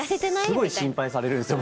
すごい心配されるんですよ